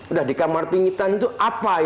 udah di kamar pingitan itu apa